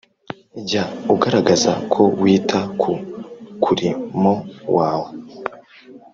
Jya ugaragaza ko wita ku kurimo wawe